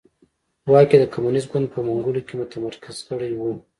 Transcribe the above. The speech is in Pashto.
واک یې د کمونېست ګوند په منګولو کې متمرکز کړی و.